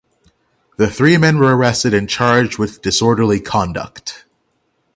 The three men were arrested and charged with disorderly conduct.